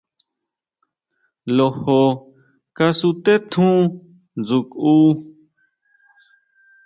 Lojo kasuté tjún ʼndsukʼu.